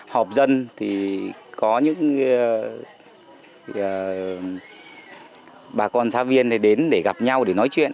họp dân thì có những bà con xã viên đến để gặp nhau để nói chuyện